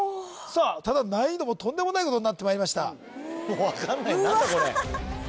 ただ難易度もとんでもないことになってまいりました分かんない何だこれうわっ！